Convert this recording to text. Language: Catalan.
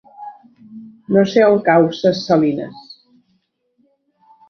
No sé on cau Ses Salines.